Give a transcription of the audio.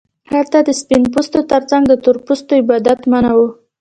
هلته د سپین پوستو ترڅنګ د تور پوستو عبادت منع و.